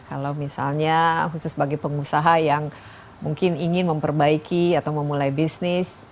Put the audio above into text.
kalau misalnya khusus bagi pengusaha yang mungkin ingin memperbaiki atau memulai bisnis